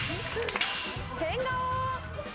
変顔。